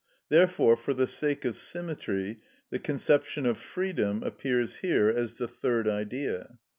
Therefore, for the sake of symmetry, the conception of freedom appears here as the third Idea.